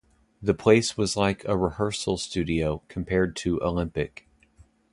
The place was like a rehearsal studio compared to Olympic.